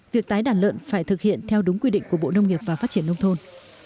việc tái đàn lợn phải thực hiện theo đúng quy định của bộ nông nghiệp và phát triển nông thôn